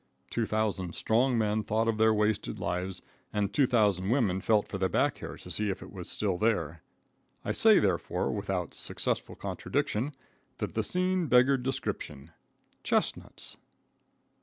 Two thousand strong men thought of their wasted lives, and two thousand women felt for their back hair to see if it was still there. I say, therefore, without successful contradiction, that the scene beggared description. Chestnuts!